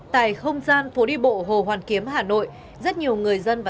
tại không gian phố đi bộ hồ hoàn kiếm hà nội